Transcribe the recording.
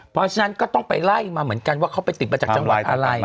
เพราะฉะนั้นก็ต้องไปไล่มาเหมือนกันว่าเขาไปติดมาจากจังหวัดอะไร